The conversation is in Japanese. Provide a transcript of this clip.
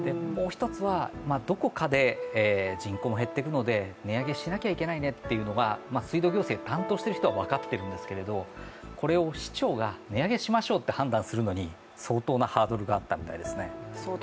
どこかで人口を減っていくので、値上げしなきゃいけないねというのは水道行政を担当している人は分かっているんですけど、これを市長が、値上げしましょうと判断するのに相当なハードルがあったみたいですね。